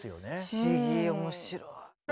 不思議面白い。